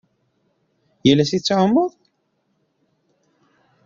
Yal ass i tettɛummuḍ?